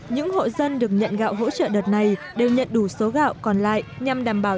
những hộ dân được nhận gạo hỗ trợ đợt này đều nhận đủ số gạo còn lại nhằm đảm bảo